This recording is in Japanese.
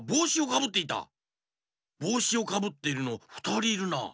ぼうしをかぶってるのふたりいるな。